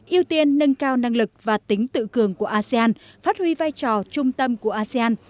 ưu tiên nâng cao năng lực và tính tự cường của asean phát huy vai trò trung tâm của asean